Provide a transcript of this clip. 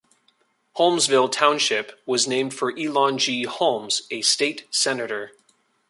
Holmesville Township was named for Elon G. Holmes, a state senator.